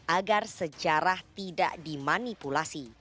agar sejarah tidak dimanipulasi